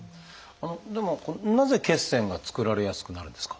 でもなぜ血栓が作られやすくなるんですか？